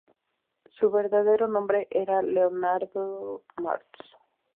Su verdadero nombre era Leonard Marx.